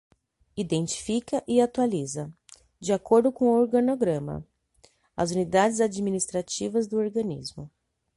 Identifica e atualiza, de acordo com o organograma, as unidades administrativas do organismo.